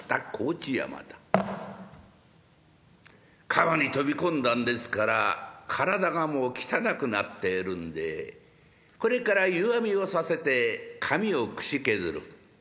川に飛び込んだんですから体がもう汚くなってるんでこれから湯あみをさせて髪をくしけずる。